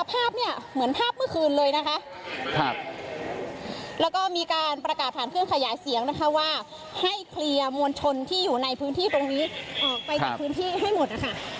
ภาพเนี่ยเหมือนภาพเมื่อคืนเลยนะคะครับแล้วก็มีการประกาศผ่านเครื่องขยายเสียงนะคะว่าให้เคลียร์มวลชนที่อยู่ในพื้นที่ตรงนี้ออกไปจากพื้นที่ให้หมดนะคะ